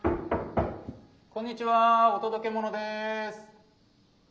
・こんにちはお届けものです。